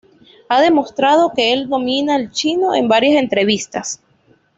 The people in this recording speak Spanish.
Ha demostrado que el domina el chino, en varias entrevistas.